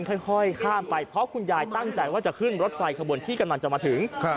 ค่อยข้ามไปเพราะคุณยายตั้งใจว่าจะขึ้นรถไฟขบวนที่กำลังจะมาถึง